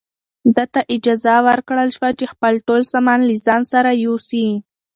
ده ته اجازه ورکړل شوه چې خپل ټول سامان له ځان سره یوسي.